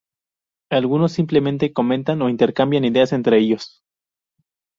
Algunos simplemente comentan o intercambian ideas entre ellos.